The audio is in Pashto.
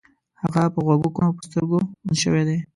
هغه په غوږو کوڼ او په سترګو ړوند شوی دی